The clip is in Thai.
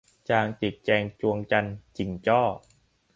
จางจิกแจงจวงจันน์ จิ่งจ้อ